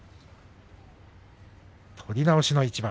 取り直しの一番。